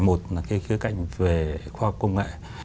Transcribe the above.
một là cái khía cạnh về khoa công nghệ